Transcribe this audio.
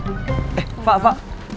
eh fak fak